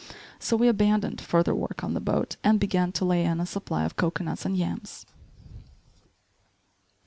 So we abandoned further work on the boat and began to lay in a supply of cocoanuts and yams.